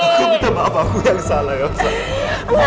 aku minta maaf aku yang salah ya